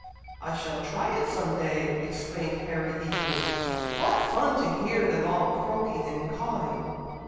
"I shall try it some day!" exclaimed Harry, eagerly. "What fun to hear them all croaking and cawing!"